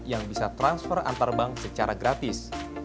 yang bisa transfer antar bank secara gratis